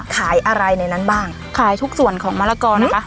ขายอะไรในนั้นบ้างขายทุกส่วนของมะละกอนะคะ